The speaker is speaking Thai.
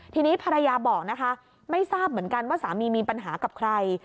ทีนี้ภรรยาบอกนะคะไม่ทราบเหมือนกันว่าสามีมีปัญหากับใคร